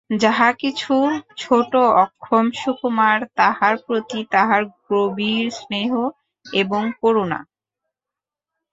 যাহা কিছু ছোটো, অক্ষম, সুকুমার তাহার প্রতি তাহার গভীর স্নেহ এবং করুণা।